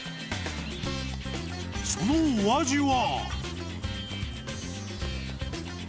［そのお味は？］